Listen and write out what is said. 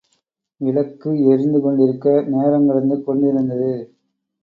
விளக்கு எரிந்து கொண்டிருக்க, நேரங்கடந்து கொண்டிருந்தது.